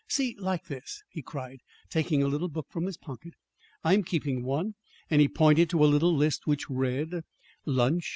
See, like this," he cried, taking a little book from his pocket. "I'm keeping one." And he pointed to a little list which read: Lunch $.